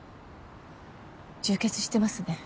充血してますね